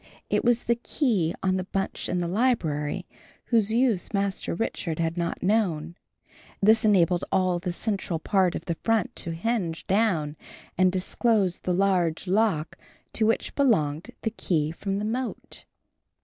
It was the key on the bunch in the library, whose use Master Richard had not known. This enabled all the central part of the front to hinge down and disclose the large lock to which belonged the key from the moat.